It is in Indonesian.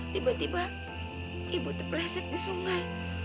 tiba tiba ibu terpleset di sungai